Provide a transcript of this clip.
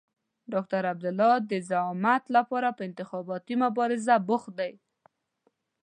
ډاکټر عبدالله د زعامت لپاره په انتخاباتي مبارزه بوخت دی.